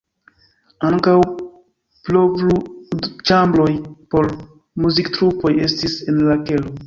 Ankaŭ provludĉambroj por muziktrupoj estis en la kelo.